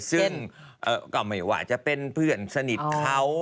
ซึ่งก็ไม่ว่าจะเป็นเพื่อนสนิทเขา